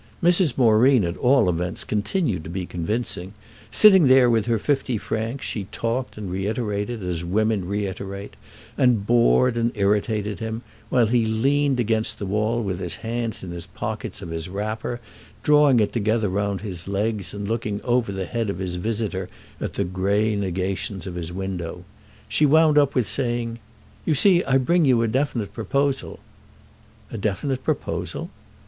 Mrs. Moreen at all events continued to be convincing; sitting there with her fifty francs she talked and reiterated, as women reiterate, and bored and irritated him, while he leaned against the wall with his hands in the pockets of his wrapper, drawing it together round his legs and looking over the head of his visitor at the grey negations of his window. She wound up with saying: "You see I bring you a definite proposal." "A definite proposal?"